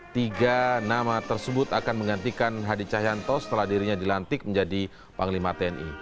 tiga nama tersebut akan menggantikan hadi cahyanto setelah dirinya dilantik menjadi panglima tni